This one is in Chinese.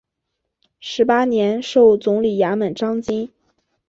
十八年授总理衙门章京。